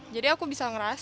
jadi aku bisa ngerasa